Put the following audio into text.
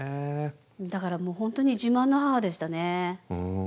だからもう本当に自慢の母でしたね。